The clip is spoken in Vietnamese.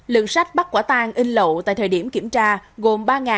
lượng sách bắt quả tăng in lậu tại thời điểm kiểm tra gồm ba bảng